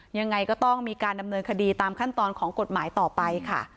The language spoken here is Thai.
ยังไงก็ต้องมีการดำเนินคดีตามขั้นตอนของกฎหมายต่อไปค่ะ